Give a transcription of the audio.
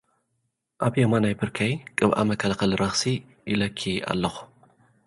ኣብ የማናይ ብርከይ ቅብኣ መከላኸሊ ረኽሲ ይለኪ ኣለኹ።